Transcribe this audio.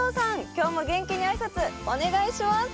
今日も元気に挨拶お願いします。